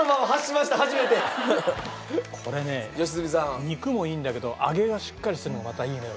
これね肉もいいんだけど揚げがしっかりしてるのもまたいいのよ。